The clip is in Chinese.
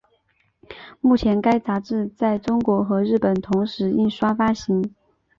目前该杂志在中国和日本同时印刷发行。